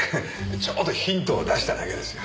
ちょっとヒントを出しただけですよ。